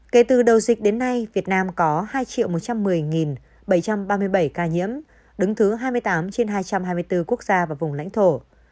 kể từ đầu dịch đến nay việt nam có hai một trăm một mươi bảy trăm ba mươi bảy ca nhiễm đứng thứ hai mươi tám trên hai trăm hai mươi bốn quốc gia và vùng lãnh thổ